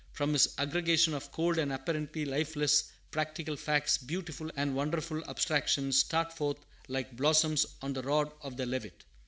From his aggregation of cold and apparently lifeless practical facts beautiful and wonderful abstractions start forth like blossoms on the rod of the Levite.